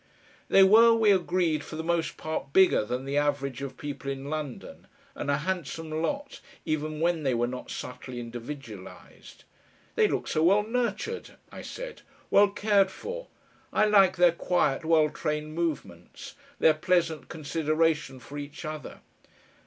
They were, we agreed, for the most part bigger than the average of people in London, and a handsome lot, even when they were not subtly individualised. "They look so well nurtured," I said, "well cared for. I like their quiet, well trained movements, their pleasant consideration for each other."